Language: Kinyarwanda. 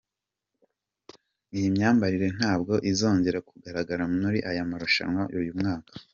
Iyi myambarire ntabwo izongera kugaragara muri aya marushanwa uyu mwaka.